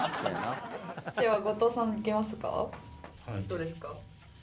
どうですか？